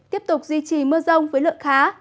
tiếp tục duy trì mưa rông với lượng khá